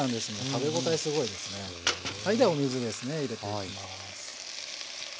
はいではお水ですね入れていきます。